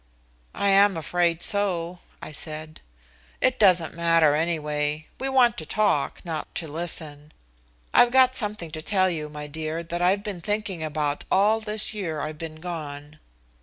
"I am afraid so," I said. "It doesn't matter anyway. We want to talk, not to listen. I've got something to tell you, my dear, that I've been thinking about all this year I've been gone."